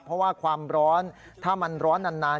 เพราะว่าความร้อนถ้ามันร้อนนาน